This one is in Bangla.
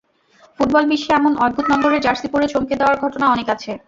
ফুটবল বিশ্বে এমন অদ্ভুত নম্বরের জার্সি পরে চমকে দেওয়ার ঘটনা অনেক আছে।